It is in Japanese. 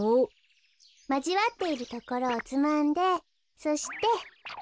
まじわっているところをつまんでそして。